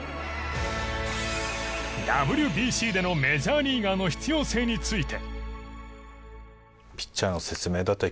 ＷＢＣでのメジャーリーガーの必要性について。